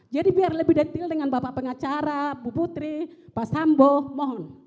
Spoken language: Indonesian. jadi biar lebih detail dengan bapak pengacara bu putri pak sambo mohon